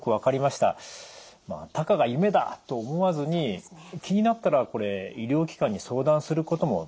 たかが夢だと思わずに気になったらこれ医療機関に相談することも大切ですね。